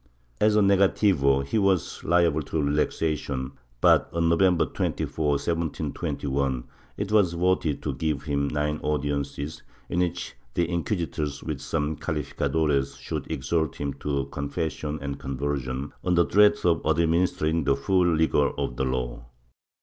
As a negativo he w^as liable to relaxation but, on November 24, 1721, it was voted to give him nine audiences, in which the inquisitors, with some calificadores, should exhort him to confession and conversion, under threat of administering the full rigor of the law.